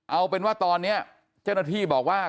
เอาเป็นว่าตอนนี้เจ้าหน้าที่บอกว่า